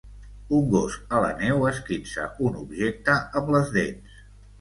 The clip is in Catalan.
Un gos a la neu esquinça un objecte amb les dents